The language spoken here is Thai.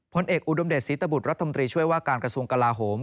ผลเอกอุดมเดชศรีตบุตรรัฐมนตรีช่วยว่าการกระทรวงกลาโหม